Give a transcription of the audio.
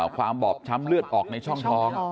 บอบช้ำเลือดออกในช่องท้อง